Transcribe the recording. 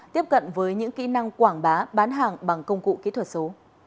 tiếp cận với những kỹ năng quảng bá bán hàng bằng công cụ kỹ thuật số